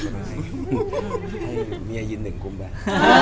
ก็คือให้มียยนต์๑คุมแบบ